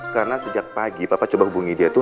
karena sejak pagi papa coba hubungi dia tuh